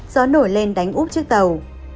gió nổi lên đánh úp trước tàu